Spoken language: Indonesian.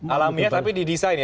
alamiah tapi didesain ya